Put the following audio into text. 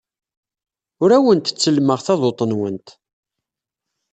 Ur awent-ttellmeɣ taḍuft-nwent.